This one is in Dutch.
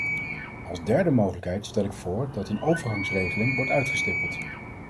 Als derde mogelijkheid stel ik voor dat een overgangsregeling wordt uitgestippeld.